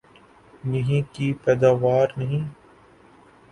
یہیں کی پیداوار نہیں؟